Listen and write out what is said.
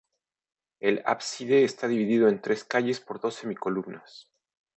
El ábside está dividido en tres calles por dos semicolumnas.